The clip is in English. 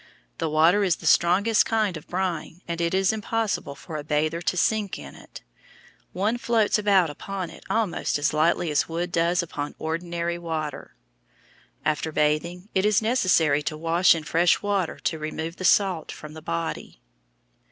The water is the strongest kind of brine and it is impossible for a bather to sink in it. One floats about upon it almost as lightly as wood does upon ordinary water. After bathing it is necessary to wash in fresh water to remove the salt from the body.